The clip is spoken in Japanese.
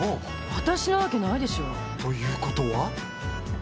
わたしなわけないでしょ。ということは？